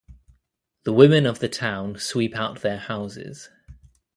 The women of the town sweep out their houses.